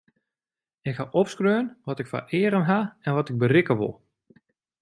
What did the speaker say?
Ik haw opskreaun wat ik foar eagen haw en wat ik berikke wol.